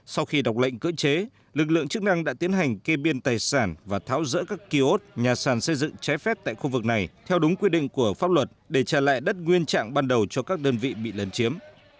sau khi đọc lệnh cưỡng chế lực lượng chức năng đã tiến hành kê biên tài sản và tháo rỡ các kiosk nhà sàn xây dựng trái phép tại khu vực này theo đúng quy định của pháp luật để trả lại đất nguyên trạng ban đầu cho các đơn vị bị lấn chiếm